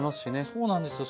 そうなんですよ